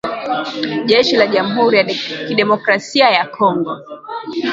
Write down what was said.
Jeshi la jamhuri ya kidemokrasia ya Kongo